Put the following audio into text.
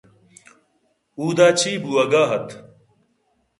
* اود ءَ چے بوگ ءَ اَت؟